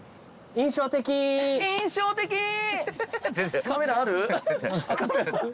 印象的ー。